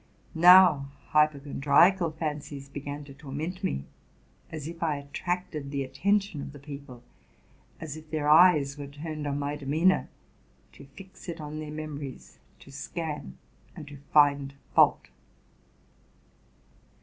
Now hypochondriacal fancies began to torment me, as if I attracted the attention of the people, as if their eyes were turned on my demeanor, to fix it on their memories, to scan and to find fault.